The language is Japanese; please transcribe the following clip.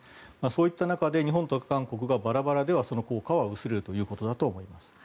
そういった中で日本と韓国がバラバラではその効果は薄れるということだと思います。